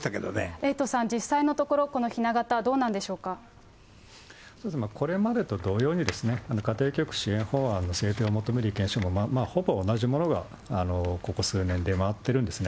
エイトさん、実際のところ、このひな形、これまでと同様に、家庭教育支援法案の制定を求める意見書も、ほぼ同じものが、ここ数年出回っているんですね。